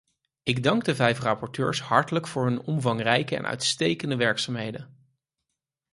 Ik dank de vijf rapporteurs hartelijk voor hun omvangrijke en uitstekende werkzaamheden.